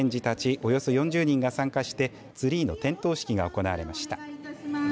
およそ４０人が参加してツリーの点灯式が行われました。